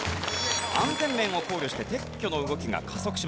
安全面を考慮して撤去の動きが加速しました。